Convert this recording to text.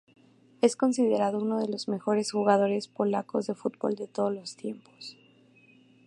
Es considerado uno de los mejores jugadores polacos de fútbol de todos los tiempos.